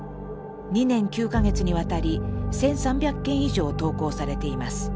２年９か月にわたり１，３００件以上投稿されています。